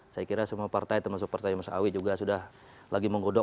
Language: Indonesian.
saya kira semua partai termasuk partai mas awi juga sudah lagi menggodok